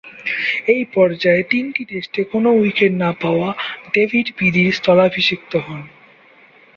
এ পর্যায়ে তিন টেস্টে কোন উইকেট না পাওয়া ডেভিড পিদি’র স্থলাভিষিক্ত হন।